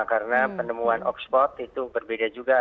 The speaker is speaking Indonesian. karena penemuan oxford itu berbeda juga